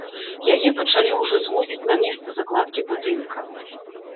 Яе пачалі ўжо звозіць на месца закладкі будынка.